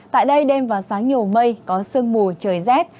tại đây đêm và sáng nhiều mây có sương mù trời rét